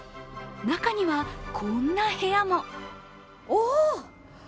中にはこんな部屋もおおっ！